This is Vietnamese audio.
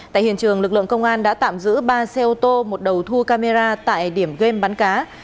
tại hiện trường lực lượng công an đã tạm giữ ba xe ô tô một đầu thu camera tại điểm game bắn cá